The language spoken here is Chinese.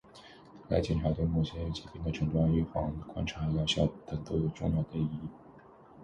该检查对某些疾病的诊断、预防、观察疗效等都有重要意义